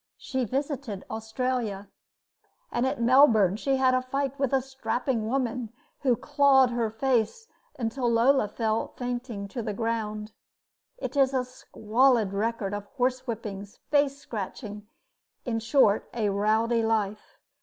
She visited Australia, and at Melbourne she had a fight with a strapping woman, who clawed her face until Lola fell fainting to the ground. It is a squalid record of horse whippings, face scratchings in short, a rowdy life.